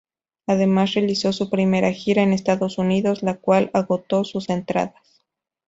Además realizó su primera gira en Estados Unidos, la cual agotó sus entradas.